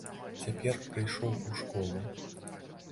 Цяпер прыйшоў у школу.